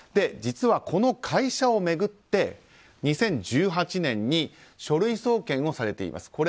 実はこの会社を巡って２０１８年に書類送検をされています。